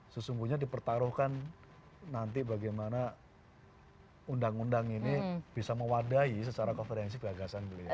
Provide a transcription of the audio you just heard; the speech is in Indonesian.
sesungguhnya dipertaruhkan nanti bagaimana undang undang ini bisa mewadahi secara konferensi gagasan beliau